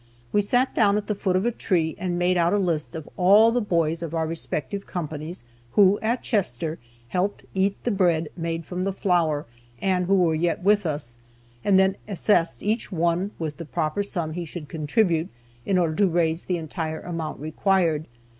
We sat down at the foot of a tree and made out a list of all the boys of our respective companies who, at Chester, helped eat the bread made from the flour, and who were yet with us, and then assessed each one with the proper sum he should contribute, in order to raise the entire amount required.